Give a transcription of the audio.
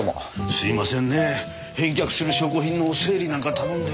すみませんねぇ返却する証拠品の整理なんか頼んで。